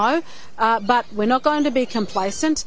tapi kita tidak akan berkomplis